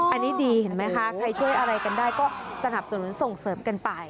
อันนี้ดีเห็นไหมคะใครช่วยอะไรกันได้ก็สนับสนุนส่งเสริมกันไป